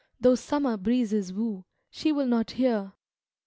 Though summer breezes woo. She will not hear.